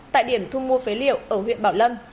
tại điểm thu mua phế liệu ở huyện bảo lâm